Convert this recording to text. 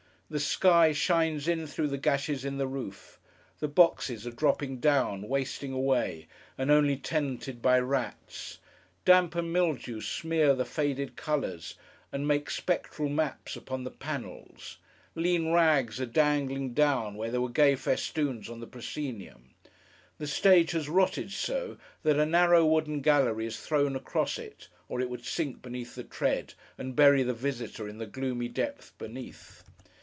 The sky shines in through the gashes in the roof; the boxes are dropping down, wasting away, and only tenanted by rats; damp and mildew smear the faded colours, and make spectral maps upon the panels; lean rags are dangling down where there were gay festoons on the Proscenium; the stage has rotted so, that a narrow wooden gallery is thrown across it, or it would sink beneath the tread, and bury the visitor in the gloomy depth beneath.